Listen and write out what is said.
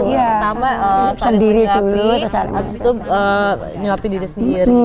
pertama saling meniapkan habis itu menyuapkan diri sendiri